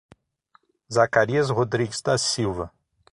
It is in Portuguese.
Zacarias Rodrigues da Silva